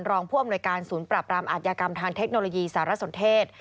รองผู้อำนวยการศูนย์ปรับรามอาทยากรรมทางเทคโนโลยีสารสนเทศ